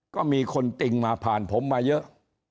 ก็มีคนติ่งมาผ่านผมมาเยอะ